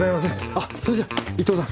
あっそれじゃあ伊藤さん